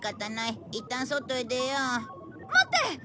待って！